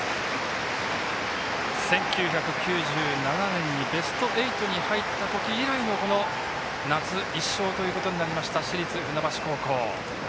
１９９７年にベスト８に入った時以来の夏１勝となりました市立船橋高校。